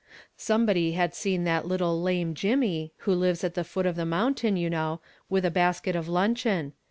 Somebody luid seen that little lame Jimmie, who lives at the foot of the mountain, you know, witli a basket of luncho'^n.